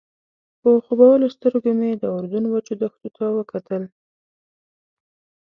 په خوبولو سترګو مې د اردن وچو دښتو ته وکتل.